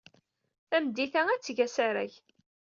Tameddit-a, ad d-teg asarag.